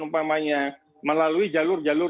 umpamanya melalui jalur jalur